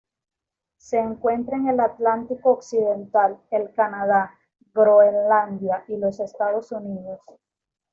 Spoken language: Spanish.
Se encuentra en el Atlántico occidental: el Canadá., Groenlandia y los Estados Unidos.